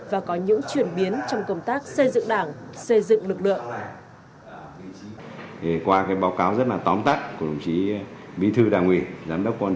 và có những chuyển biến trong công tác xây dựng đảng xây dựng lực lượng